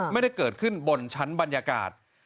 ไม่ได้เกิดขึ้นบนชั้นบรรยากาศ